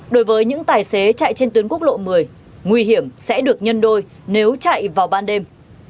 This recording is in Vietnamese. đối với những tài xế chạy trên tuyến quốc lộ một mươi nguy hiểm sẽ được nhân đôi nếu chạy vào ban đêm